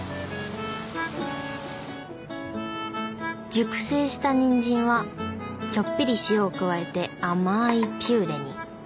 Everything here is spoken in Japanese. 熟成したニンジンはちょっぴり塩を加えて甘いピューレに。